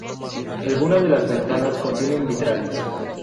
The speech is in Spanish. Algunas de las ventanas contienen vitrales.